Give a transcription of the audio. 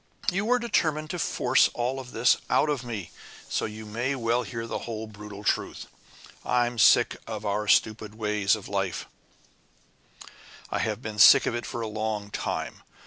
You were determined to force all this out of me, so you may as well hear the whole brutal truth. I'm sick of our stupid ways of life I have been sick of it for a long time.